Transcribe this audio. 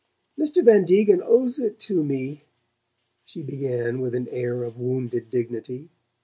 "Mr. Van Degen owes it to me " she began with an air of wounded dignity.